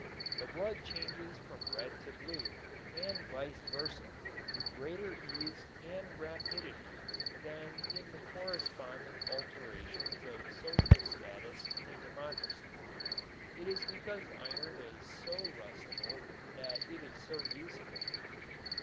The blood changes from red to blue and vice versa with greater ease and rapidity than in the corresponding alternations of social status in a democracy. It is because iron is so rustable that it is so useful.